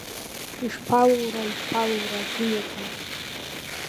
Ишԥалура, ишԥалура, дзыҩаӡом!